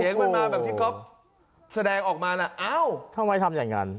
เสียงมันมาแบบก็แสดงออกมาล่ะ